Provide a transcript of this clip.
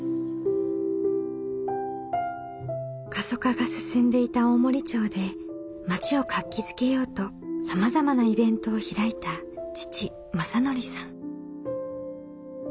過疎化が進んでいた大森町で町を活気づけようとさまざまなイベントを開いた父政經さん。